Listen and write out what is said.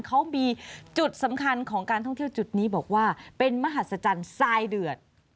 เขามีจุดสำคัญของการท่องเที่ยวจุดนี้บอกว่าเป็นมหัศจรรย์ทรายเดือด